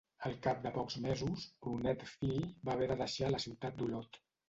Al cap de pocs mesos, Brunet fill va haver de deixar la ciutat d'Olot.